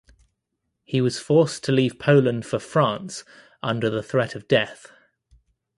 He was forced to leave Poland for France under the threat of death.